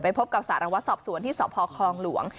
พบกับสารวัตรสอบสวนที่สพคลองหลวง